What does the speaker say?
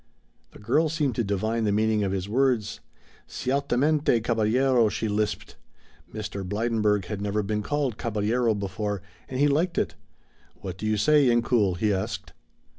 The girl seemed to divine the meaning of his words. "Ciertamente, Caballero," she lisped. Mr. Blydenburg had never been called Caballero before, and he liked it. "What do you say, Incoul?" he asked.